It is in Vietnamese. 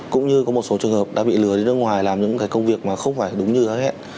cũng như có một số trường hợp đã bị lừa đến nước ngoài làm những công việc mà không phải đúng như hết